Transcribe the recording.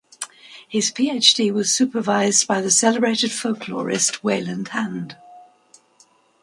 His PhD was supervised by the celebrated folklorist Wayland Hand.